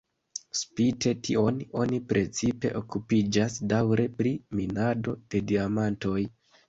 Spite tion, oni precipe okupiĝas daŭre pri minado de diamantoj.